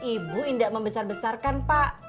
ibu tidak membesar besarkan pak